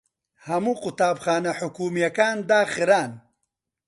هەموو قوتابخانە حکوومییەکان داخران.